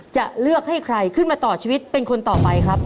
จะเลือกให้ใครขึ้นมาต่อชีวิตเป็นคนต่อไปครับ